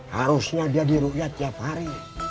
harusnya dia di rukya tiap hari